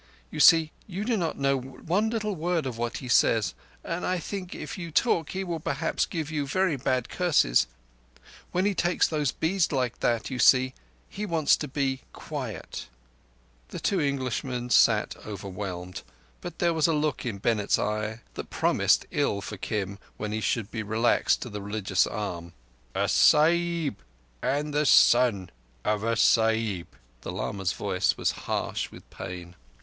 You see, you do not know one little word of what he says, and I think if you talk he will perhaps give you very bad curses. When he takes those beads like that, you see, he always wants to be quiet." The two Englishmen sat overwhelmed, but there was a look in Bennett's eye that promised ill for Kim when he should be relaxed to the religious arm. "A Sahib and the son of a Sahib—" The lama's voice was harsh with pain.